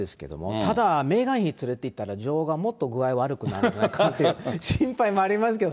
ただ、メーガン妃連れていったら、女王がもっと具合悪くなるという心配もありますけど。